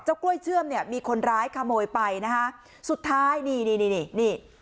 กล้วยเชื่อมเนี่ยมีคนร้ายขโมยไปนะคะสุดท้ายนี่นี่นี่นี่